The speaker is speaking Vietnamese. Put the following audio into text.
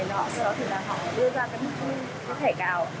sau đó thì họ đưa ra cái thẻ cào